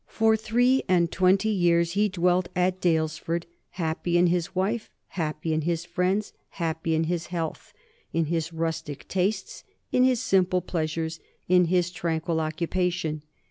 For three and twenty years he dwelt at Daylesford, happy in his wife, happy in his friends, happy in his health, in his rustic tastes, in his simple pleasures, in his tranquil occupation.